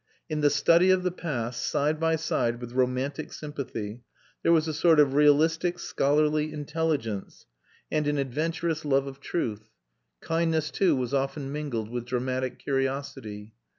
In the study of the past, side by side with romantic sympathy, there was a sort of realistic, scholarly intelligence and an adventurous love of truth; kindness too was often mingled with dramatic curiosity.